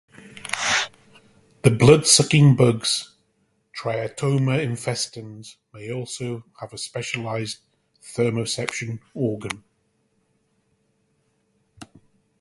The blood sucking bugs "Triatoma infestans" may also have a specialised thermoception organ.